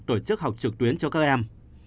tổ chức học trực tuyến cho các em